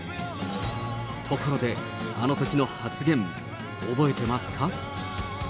ところで、あのときの発言、覚えてますか？